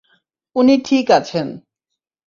উনি ঠিক আছেন।